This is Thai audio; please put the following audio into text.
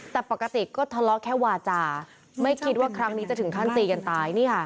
แต่ปกติก็ทะเลาะแค่วาจาไม่คิดว่าครั้งนี้จะถึงขั้นตีกันตาย